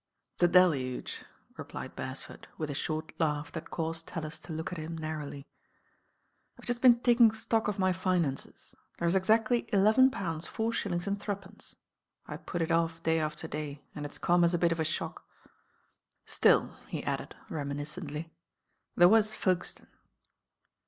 "The deluge," replied Beresford with a short laugh that caused Tallis to look at him narrowly. I ve just bden taking stock of my finances. There's exactly eleven pounds four shillings and threepence. I put It oflP day after day, and it's come as a bit of a shock. Still," he added reminiscently, "there was Folkestone."